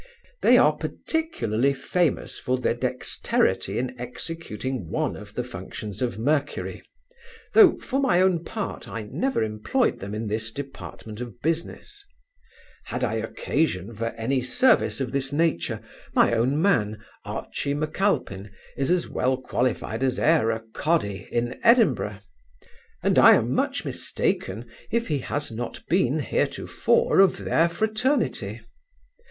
They are particularly famous for their dexterity in executing one of the functions of Mercury; though, for my own part, I never employed them in this department of business Had I occasion for any service of this nature, my own man, Archy M'Alpine, is as well qualified as e'er a cawdie in Edinburgh; and I am much mistaken, if he has not been heretofore of their fraternity.